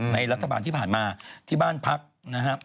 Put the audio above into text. รัฐบาลที่ผ่านมาที่บ้านพักนะครับ